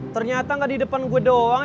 ternyata nggak di depan gue doang